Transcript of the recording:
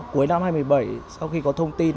cuối năm hai nghìn một mươi bảy sau khi có thông tin